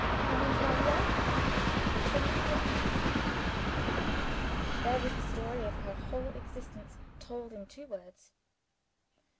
And my love lives in my blindness." There was the story of her whole existence told in two words!